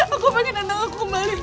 aku pengen nandang aku kembali mas